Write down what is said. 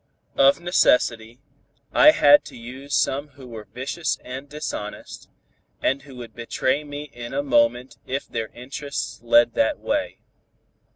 Of necessity, I had to use some who were vicious and dishonest, and who would betray me in a moment if their interests led that way.